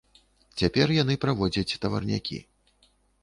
Цяпер яны праводзяць таварнякі.